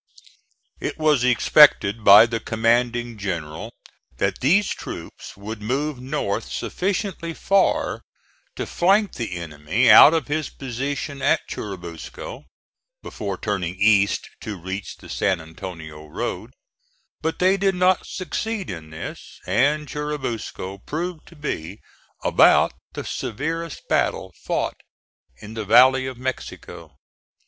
It was expected by the commanding general that these troops would move north sufficiently far to flank the enemy out of his position at Churubusco, before turning east to reach the San Antonio road, but they did not succeed in this, and Churubusco proved to be about the severest battle fought in the valley of Mexico.